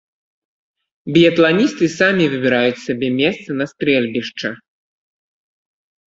Біятланісты самі выбіраюць сабе месца на стрэльбішча.